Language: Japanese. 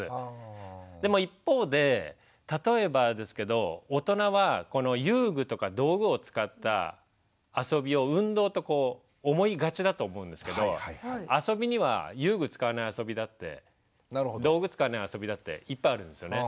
でも一方で例えばですけど大人はこの遊具とか道具を使った遊びを運動と思いがちだと思うんですけど遊びには遊具使わない遊びだって道具使わない遊びだっていっぱいあるんですよね。